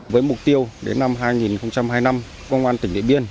với mục tiêu đến năm hai nghìn hai mươi năm công an tỉnh điện biên